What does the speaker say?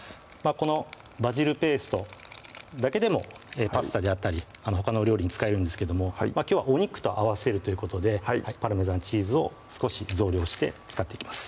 このバジルペーストだけでもパスタであったりほかの料理に使えるんですけどもきょうはお肉と合わせるということでパルメザンチーズを少し増量して使っていきます